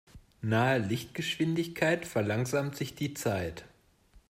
Nahe Lichtgeschwindigkeit verlangsamt sich die Zeit.